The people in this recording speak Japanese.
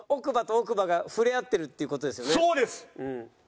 そうです！